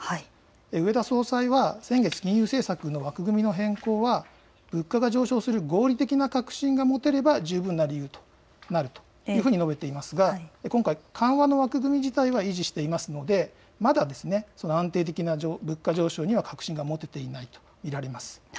植田総裁は先月、金融政策の枠組みの変更は物価が上昇する合理的な確信が持てれば十分となると述べていますが緩和の枠組み自体は維持していますのでまだ安定的な物価上昇には確信が持てていないと見られます。